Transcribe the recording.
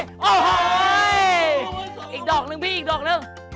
อ๋อเอ้ยอีกดอกนึงพี่อีกดอกนึง